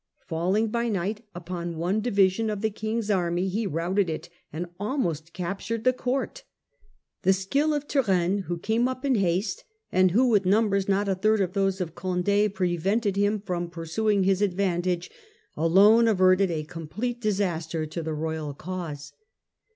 Falling by night upon one 1652. * division of the King's army, he routed it, and almost captured the court. The skill of Turenne, who came up in haste, and who with numbers not a third of those of Condd prevented him from pursuing his advan tage, alone averted a complete disaster to the royal cause.